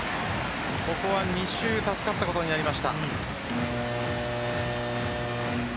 ここは２周助かったことになりました。